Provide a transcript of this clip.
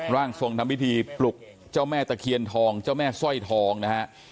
ร่างทรงทำพิธีปลุกเจ้าแม่ตะเคียนทองเจ้าแม่สร้อยทองนะฮะ